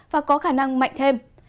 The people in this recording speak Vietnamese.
và có khả năng mạnh thêm